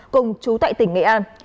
cùng chú tại tỉnh nghệ an